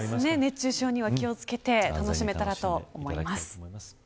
熱中症に気を付けて楽しめたらと思います。